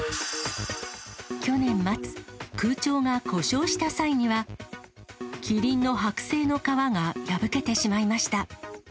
去年末、空調が故障した際には、キリンの剥製の皮が破けてしまいました。